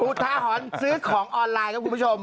ทาหรณ์ซื้อของออนไลน์ครับคุณผู้ชม